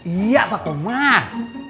iya pak kumar